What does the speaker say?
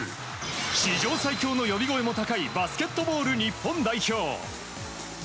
史上最強の呼び声も高いバスケットボール日本代表。